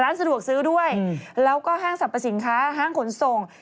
สะดวกซื้อด้วยแล้วก็ห้างสรรพสินค้าห้างขนส่ง